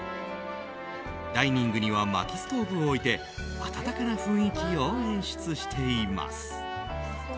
ダイニングにはまきストーブを置いて温かな雰囲気を演出しています。